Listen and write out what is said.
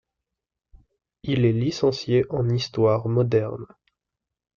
Il est licencié en histoire moderne.